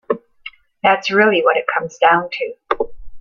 That's really what it comes down to.